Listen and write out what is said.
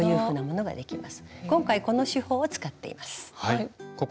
今回この手法を使っています。